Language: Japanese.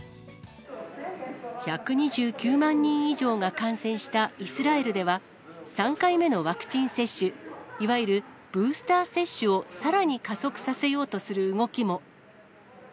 １２９万人以上が感染したイスラエルでは、３回目のワクチン接種、いわゆるブースター接種をさらに加速させようとする動きも。